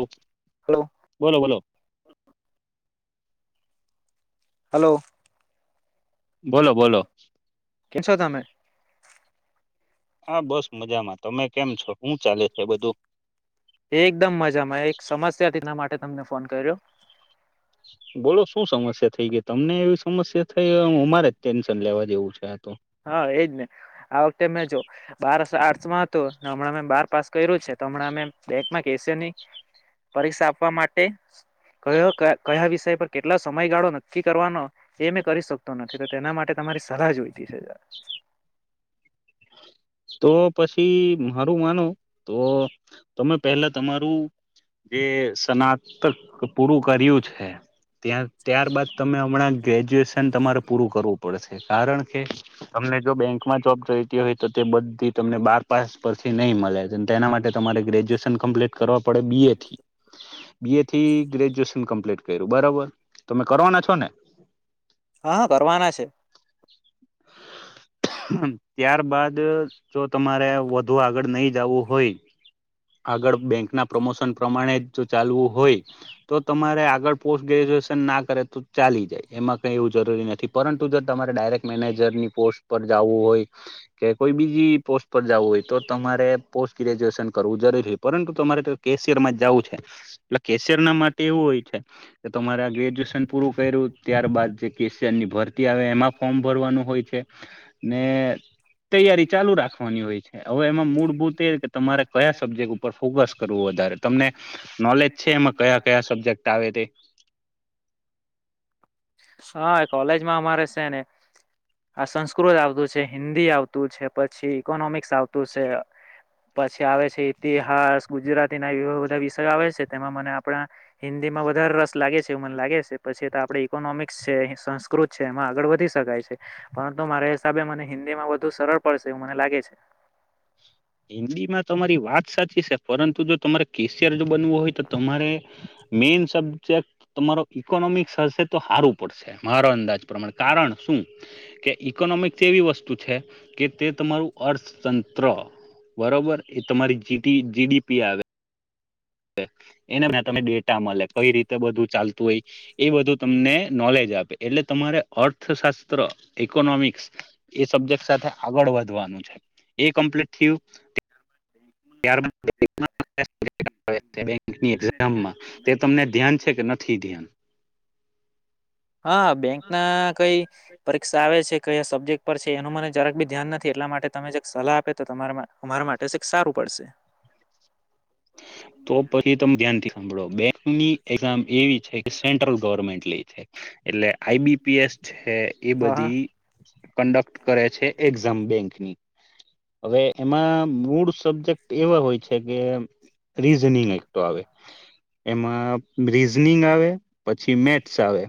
ઓ બોલો બોલો. હલો. બોલો બોલો. કેમ છો તમે? હા બસ મજામાં તમે કેમ છો શું ચાલે છે બધું? એકદમ મજામાં એક સમસ્યા હતીના માટે તમને ફોન કર્યો. બોલો શું સમસ્યા થઈ ગઈ તમને એવી સમસ્યા થઈ હ અમારે જ ટેન્શન લેવા જેવું છે. હા એજ ને આ વખતે મેં જો બાર આર્ટસમાં હતું હમણાં મે બાર પાસ કર્યું છે હમણા અમે બેંકમાં કેશિની પરીક્ષા આપવા માટે કયો કયા વિષય પર કેટલા સમયગાળો નક્કી કરવાનો એ મેં કરી શકતો નથી તો તેના માટે મારી સલાહ જોઈતી છે [unintelligible] તો પછી મારું માનું તો તમે પહેલા તમારું જે સનાતક કે પૂરું કર્યું છે. ત્યાં ત્યારબાદ તમે હમણાં ગ્રેજ્યુએશન તમારે પૂરું કરવું પડશે. કારણ કે તમને જો બેંકમાં જોબ જોઈ તી હોય તો તે બધી તમને બાર પાસ પરથી નહીં મળે છે તેના માટે તમારે ગ્રેજ્યુએશન કમ્પ્લીટ કરવા પડે બી એ થી. બી એ થી ગ્રેજ્યુએશન કમ્પ્લીટ કર્યું બરાબર તમે કરવાના છો ને? [inaudible] હા હ કરવાના છે. ત્યાર બાદ જો તમારે વધુ આગળ નહી જવું હોય આગળ બેંક ના પ્રમોશન પ્રમાણે જો ચાલવું હોય તો તમારે આગળ પોસ્ટ ગ્રેજ્યુ ના કરે તો ચાલી જાય એમાં કઈ એવું જરૂરી નથી પરંતુ જો તમારે ડાયરેક્ટ મેનેજરની પોસ્ટ ઉપર જવું હોય કે કોઈ બીજી પોસ્ટ પર જવું હોય તો તમારે પોસ્ટ ગ્રેજ્યુએશન કરવું જરૂરી હોય પરંતુ તમારે તો કે કેશિયર માં જવું છે એટલે કેશિયર ના માટે એવું હોય છે કે તમારે ગ્રેજ્યુએશન પૂરું કર્યું ત્યારબાદ જે કેશિયર ભરતી આવે એમાં ફોર્મ ભરવાનું હોય છે ને તૈયારી ચાલુ રાખવાની હોય છે હવે એમાં મૂળભૂત એ કે તમારે કયા સબ્જેક્ટ ઉપર ફોકસ કરવું વધારે તમને નોલેજ છે એમાં કયા કયા સબ્જેક્ટ આવે તે હા કોલેજમાં અમારે છે ને હ સંસ્કૃત આવતું છે હિન્દી આવતું છે પછી ઈકોનોમિક્સ આવતું છે પછી આવે છે ઇતિહાસ ગુજરાતી ના બધા વિષયો આવે છે તેમાં મને આપણા હિન્દીમાં વધારે રસ લાગે છે એવ મને લાગે છે પછી તો આપણે ઈકોનોમિક્સ છે સંસ્કૃત છે એમાં આગળ વધી શકાય છે પરંતુ મારા હિસાબે મને હિન્દીમાં વધુ સરળ પડશે એવું મને લાગે છે [inaudible] હિન્દી માં તમારી વાત સાચી છે પરંતુ જો તમારે કેશિયર જો બનવું હોય તો તમારે મેઈન સબ્જેક્ટ તમારો ઇકોનોમિક્સ હશે તો સારું પડશે મારો અંદાજ પ્રમાણે કારણ શું કે ઈકોનોમિકસ એવી વસ્તુ છે કે તે તમારું અર્થતંત્ર બરોબર એ તમારી જી જીડીપી આવે એને મે તમે ડેટા મળે કઈ રીતે બધું ચાલતું હોય એ બધું તમને નોલેજ આપે એટલે તમારે અર્થશાસ્ત્ર ઇકોનોમિક્સ એ સબ્જેક્ટ સાથે આગળ વધવાનું છે એ કમ્પ્લીટ થયું [unintelligible] તમને ધ્યાન છે કે નથી ધ્યાન હા બેંક ના કઈ પરીક્ષા આવે છે કયા સબ્જેક્ટ પર છે એનું મને જરાક બી ધ્યાન નથી એટલા માટે તમે જે સલાહ આપે તો તમા અમારા માટે છે સારું પડે પડશે તો પછી તમે ધ્યાન થી સાંભળો બેકંની એક્ઝામ એવી છે કે સેન્ટ્રલ ગવર્મેન્ટ લયે છે એટલે આઈબીપીએસ છે એ બધી કન્ડક્ટ કરે છે એક્ઝામ બેંક ની હવે એમાં મૂળ સબ્જેક્ટ એવા હોય છે કે રિઝનિંગ એક તો આવે એમાં રીઝનિંગ આવે પછી મેથ્સ આવે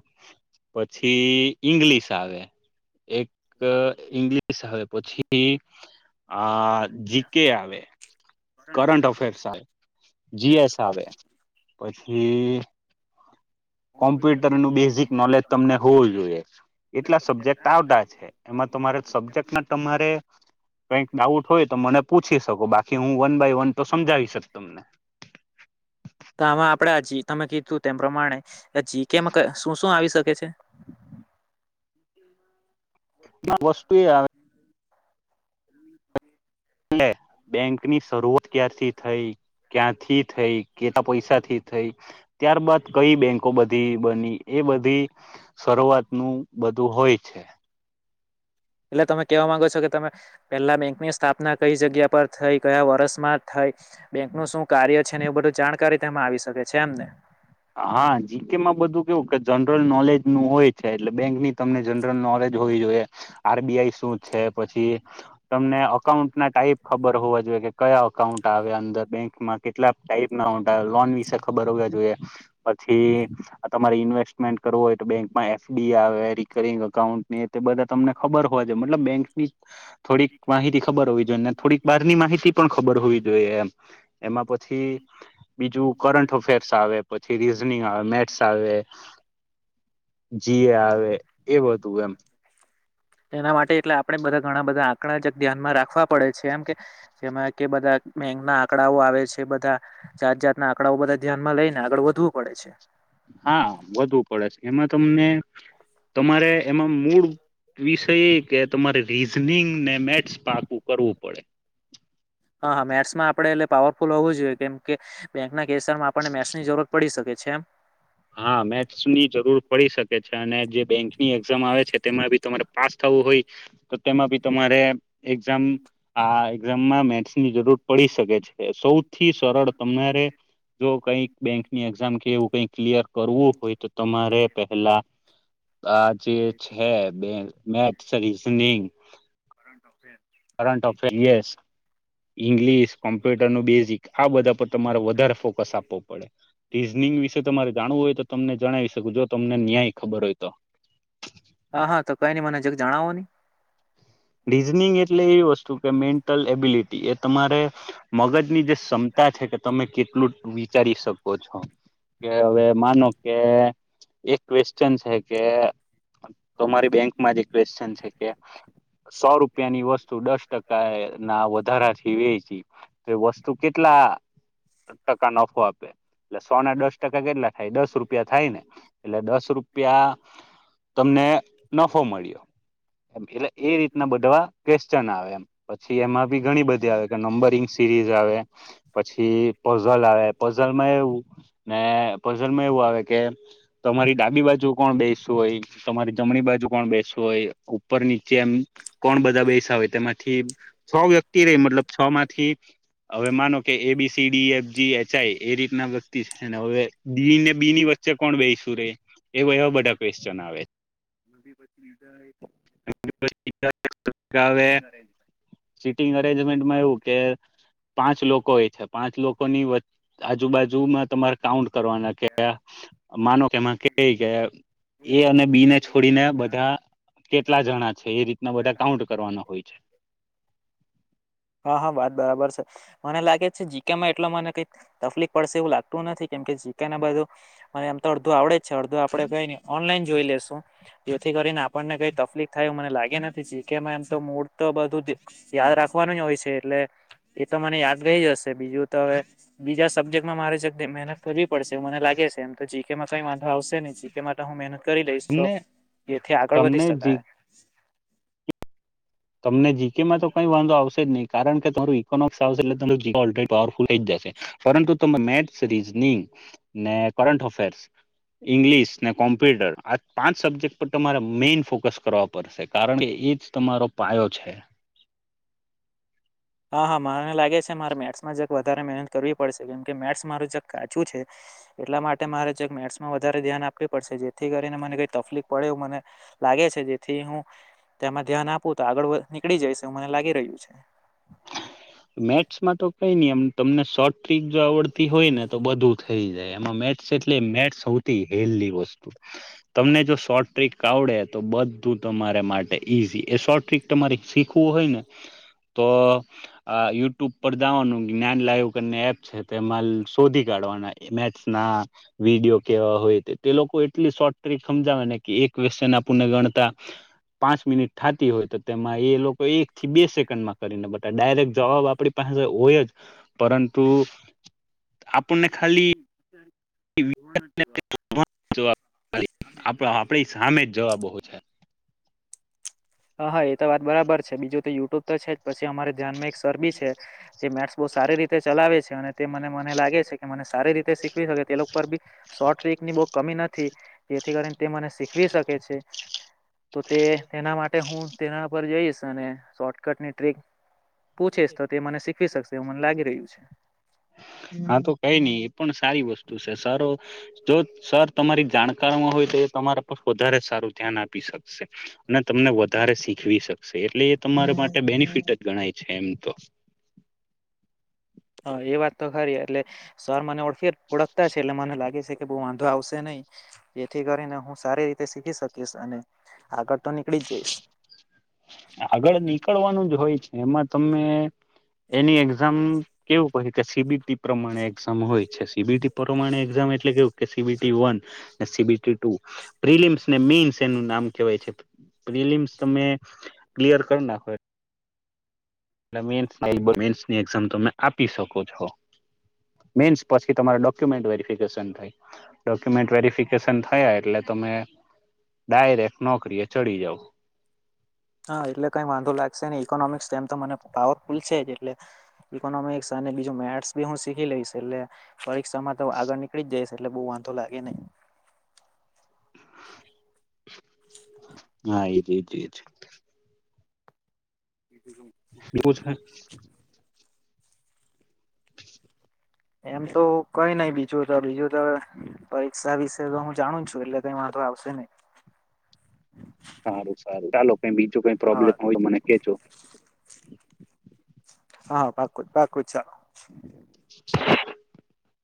પછી ઈંગ્લિશ આવે એક ઈંગ્લિશ આવે પછી આ જી કે આવે કરંટ અફેર્સ આવે જીએસ આવે પછી [inaudible] કોમ્પ્યુટર નું બેઝિક નોલેજ તમને હોવું જોઈએ એટલા સબ્જેક્ટ આવતા છે એમાં તમારે જેક તમારે કહીક ડાઉટ હોય તો મને પૂછી શકો બાકી આ જીકે તમે કીધું તેમ પ્રમાણે જીકે શું શું આવી શકે છે [inaudible] વસ્તુ એ આવે એટલે બેંક ની શરૂઆત ક્યારથી થઈ ક્યાંથી થઈ કેટલા પૈસાથી થઈ ત્યાર બાદ કઈ બેંકો બધી બની એ બધી શરૂઆતનું બધું હોય છે એટલે તમે કહેવા માંગો છો કે તમે પહેલા બેંકની સ્થાપના કઈ જગ્યા પર થઈ કયા વર્ષમાં થઈ બેંક નું શું કાર્ય છે ને એવું બધું જાણકારી તેમાં આવી શકે છે એમને હા જીકેમાં બધું કેવું કે જ જલ નોલેજ નું હોય છે એટલે બેંકની તમને જનરલ નોલેજ હોવી જોઈએ આરબીઆઈ શું છે પછ પછી તમને અકાઉન્ટ ના ટાઈપ ખબર હોવા જોઈએ કે કયા અકાઉન્ટ આવ્યા અંદર બેંકમાં કેટલા ટાઈપ ના અઉન્ટ આવ લોન વિશે ખબર હોવી જોઈએ પછી તમારે ઇન્વેસ્ટમેન્ટ કરવું હોય તો બેંકમાં એફડીઆ આવે રિકરિંગ અકાઉન્ટ ની તે બધા તમને ખબર હોય છે મતલબ બેંકની થોડીક માહિતી ખબર હોવી જોઈએ ને થોડીક બહાર ની માહિતી પણ ખબર હોવી જોઈએ એમ એમાં પછી બીજું કરંટ અફેર્સ આવે પછી રીઝનિંગ આવે મેથ્સ આવે એના માટે એટલે આપણે બધા ઘણા બધા આંકડા જ ધ્યાનમાં રાખવા પડે છે એમ કે જેમાં કે બધા બેંગ ના આંકડાઓ આવે છે બધા જાત જાતના આંકડાઓ બધા ધ્યાનમાં લઈને આગળ વધવું પડે છે હા વધુ પડે છે એમાં તમને તમારે એમાં મૂળ વિષય કે તમારે રીઝનિંગ ને મેથસ પાકું કરવું પડે હા હા મેથ્સમાં આપણે એટલે પાવરફુલ હોવું જોઈએ કેમ કે બેંકના કેસરમાં આપણને મેથ્સ ની જરૂરત પડી શકે છે કેમ હા મેથ્સની જરૂર પડી શકે છે અને જે બેંકની એક્ઝામ આવે છે તેમાં બી તમારે પાસ થ હોય તો તેમાં બી તમારે એક્ઝામ આ એક્ઝામમાં મેથસ ની જરૂર પડી શકે છે સૌથી સરળ તમારે જો કઈક બેંક ની એક્ઝામ કે એવું કઈક ક્લિયર કરવું હોય તો તમારે પહેલા આ જે છે બે maths reasoning current affairs English computer ન બેઝિક આ બધા પર તમારે વધારે ફોકસ આપવો પડે રઝ વિશે તમારે જાણવું હોય તો તમને જણાવી શકું જો તમને ન્યાય ખબર હોય તો હા હા તો કઈ નઈ મને જગ જણાવો ની રીઝનિંગ એટલે એવી વસ્તુ કે મેન્ટલ એબિલિટી એ તમારે મગજની જે ક્ષમતા છે કે તમે કેટલું વિચારી શકો છો કે હવે માનો કે એક ક્વેશ્ચન છે કે તમારી બેંકમાં જ ક્વેશ્ચન છે કે સો રૂપિયાની વસ્તુ દસ ટકા ના વધારા થી વેચી તો વસ્તુ કેટલા [unintelligible] ટકા નફો આપે એટલે સોના દસ ટકા કેટલા થાય દસ રૂપિયા થાય ને એટલે દસ રૂપિયા તમને નફો મળ્યો એટલે એ રીતે બધાવા ક્વેશ્ચન આવે એમ પછી એમાં બી ઘણી બધી આવે કે નંબરિંગ સિરીઝ આવે પછી પઝલ આવે પઝલ માં એવુ ને પઝનમાં એવું આવે કે તમારી ડાબી બાજુ કોણ બેસું હોય તમારી જમણી બાજુ પણ બેસું હોય ઉપર નીચે એમ કોણ બધા બેસાવે તેમાંથી છ વ્યક્તિ રે મતલબ છ માંથી હવે માનો કે એબીસીડી એફજી એચઆઈ એ રીતના હવે દીને બી ની વચ્ચે કોણ બેસું રે એવા એવા બધા ક્વેશ્ચન આવે [unintelligible] [unintelligible] સીટિંગ અરેન્જ સીટિંગ અરેન્જમેન્ટમાં એવું કે પાંચ લોકો એ છે પાંચ લોકોની વચ આજુબાજુમાં તમારે કાઉન્ટ કરવાના કે માનો એમાં કે આમ એ અને બી ને છોડીને બધા કેટલા જણા છે એ રીતના બધા કાઉન્ટ કરવાના હોય છે [unintelligible] બરાબર છે મને લાગે છે જી કે માં એટલા મને કઈક તકલીફ પડશે એવું લાગ તુ નથી કેમકે જીકા ના બધું મને આમ તો અડધો આવડે જ છે અડધો આપડે કય ની ઓનલાઈન જોઈ લેશું જેથી કરીને આપણને કઈ તકલીફ થાય મને લાગે નથી જી કે એમ તો મૂડ તો બધું યાદ રાખ વાનું હોય છે એટલે એ તો મને યાદ રહી જશે બીજું તો હવે બીજા સબ્જેક્ટમાં મારે મહેનત કરવી પડશે મને લાગે છે એમ તો જીકેમાં કઈ વાંધો આવશે ને જીકે માટે હું મહેનત કરી દઈશ તો એથી આગળ વધી શકાય તમને જીકે માં તો કંઈ વાંધો આવશે જ નહી કારણ કે તમારું ઇકોનોમક્સ આવશે એટલે જી ઓલરેડી પાવરફુલ થઈ જશે પરંતુ તમે મેથ્સ રીઝનિંગ ને કરંટ અફેર્સ ઈંગ્લિશ ને કોમ્પ્યુટર આ પાંચ સબ્જેક્ટ પર તમારે મેઈન ફોકસ કરવા પડશે કારણ કે એજ તમારો પાયો છે હા હા માને લાગે છે મારે મેથ્સમાં જે વધારે મહેનત કરવી પડશે કેમ કે મેથ્સ મારું જે કાચું છે એટલા માટે મારે મેથ્સમાં વધારે ધ્યાન આપવી પડશે જેથી કરીને મને કઈ તકલીફ પડે એવુ મને લાગે છે જેથી હું તેમાં ધ્યાન આપું તો આગળ નીકળી જઈશ મને લાગી રહ્યું છે મેથ્સમાં તો કઈ નહી એમ તમને શોટ ટ્રીક જો આવડતી હોય ને તો બધું થાય થઈ જાય એમાં મેથ એટલે મેથ સૌથી હેલ વસ્તુ તમને જો શોર્ટ ટ્રક આવ ડે તો બધું તમારે માટે ઈઝી એ શોર્ટ ટિક તમારે શીખવું હોય ને તો યુટ્યુબ પર જવાનું જ્ઞાન લાઈવ અને એપ છે શોધી કાઢવાના મેથ ના વિડીયો કેવા હોય તે લોકો એટલી શોર્ટ ટ્રીક સમજાવે ને કે એક ક્વેશ્ચન આપણ ને ગણતા પાંચ મિનિટ થતી હોય તો તેમાં એ લોકો એક થી બે સેકન્ડમાં કરીને બતા ડાયરેક્ટ જવાબ આપણી પાસે હોય જ પરંતુ આપણને ખાલી [inaudible] [unintelligible] આપ આપડી સામે જ જવાબો છે હા હા એ તો વાત બરાબર છે બીજું તો યુટ્યુબ તો છે પછી અમારે ધ્યાનમાં કરબી છે જે મેચ બહુ સારી રીતે ચલાવે છે અને તે મને મને લાગે છે મને સારી રીતે શીખવી શકે તે લોકો પર બી શોર્ટ ટ્રીક ની બહુ કમી નથી જેથી તે મને શીખવી [unintelligible] તો તેના માટે હું તેના પર જઈશ અને શોર્ટકટની ટ્રીક પુછિસ તો તે મને શીખવી શકશે એવું મને લાગી રહ્યું છે હા તો કઈ નહી એ પણ સારી વસ્તુ છે સારો જો સર તમારી જાણકારમાં હોય તો એ તમારા પર વધારે સારું ધ્યાન આપી શકશે ને તમે વધારે શીખવી શકશે એટલે એ તમારા માટે બેનિફિટ જ ગણાય છેે એમતો હા એ વાત તો ખરી એટલે સર મને ઓળખે ઓળખતા છે એટલે મને લાગે છે કે બહુ વાંધો આવશે નહી જેથી કરીને હું સારી રીતે શીખી શકીશ અને આગળ તો નીકળી જઈશ આગળ નીકળવાનું જ હોય છે એમાં તમે એની એક્ઝામ કેવું કે સીબીટી પ્રમાણે એક્ઝામ હોય છે સીબીટી પ્રમાણે એક્ઝામ એટલે કેવું કે સીબીટી વન સબીટી ટુ પ્રિલિમ્સને મીન્સ એનું નામ કહેવાય છે પ્રિલિમ્સ તમે ક્લિયર કર નાખો એ મેન્સની એક્ઝામ તમે આપી શકો છો મેનસ પછી તમા ડોક્યુમેન્ટ વેરફિકેશન થાય ડોક્યુમેન્ટ વેરીફિકેશન થયા એટલે તમે ડાયરેક્ટ નોકરી એ ચડી જાવ હા એટલે કઈ વાંધો લાગશે ને ઈકોનોમિક્સ તેમ તો મને પાવરફુલ છે એટલે ઇકોનોમિક્સ અને બીજું મેથ્સ બી હું શીખી લઈશ એટલે પરીક્ષા માં તો આગળ નીકળી જઈશ એટલે બહુ વાંધો લાગે નહી [inaudible] હા એ જ એ જજ એવુ છે એમ તો કઈ નહી બીજું તો બીજું તો પરીક્ષા વિશે તો હું જાણું છું એટલે કઈ વા વાંધો આવશે નહી [inaudible] સારું સારું ચાલો કઈ બીજું કઈ પ્રોબ્લેમ હોય મને કેજો હા પાકુ પાકુ ચાલો [inaudible]